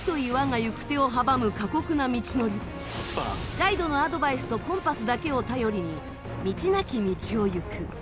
ガイドのアドバイスとコンパスだけを頼りに道なき道を行く。